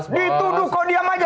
dituduh kok diam aja